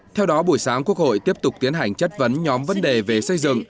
theo đó buổi sáng quốc hội tiếp tục tiến hành chất vấn nhóm vấn đề về xây dựng